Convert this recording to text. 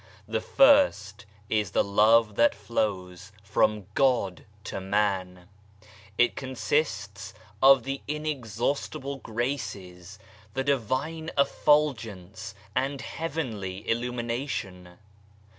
The first is the love that flows from God to man ; it consists of the inexhaustible graces, the Divine effulgence and heavenly illumination.